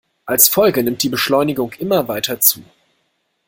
Als Folge nimmt die Beschleunigung immer weiter zu.